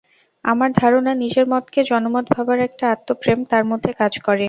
আমার ধারণা, নিজের মতকে জনমত ভাবার একটা আত্মপ্রেম তাঁর মধ্যে কাজ করে।